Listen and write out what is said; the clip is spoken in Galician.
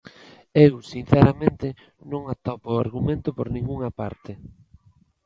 Eu, sinceramente, non atopo o argumento por ningunha parte.